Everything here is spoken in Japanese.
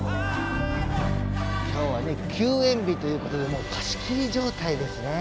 今日はね休園日ということでもう貸し切り状態ですね。